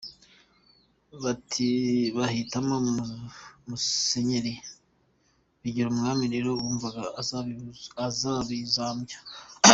Bahitamo Musenyeri Bigirumwami rero bumvaga azabizambya.